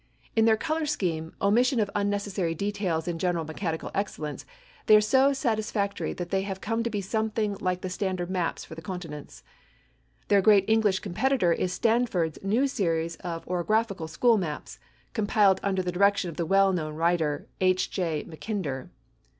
In their color scheme, omission of unnecessary details and general mechanical excellence, they are so satisfactory that they have come to be something like the standard maps for the continents. Their great English competitor is Stanford's new series of orographical school maps, compiled under the direction of the well known writer, H. J. Mackinder.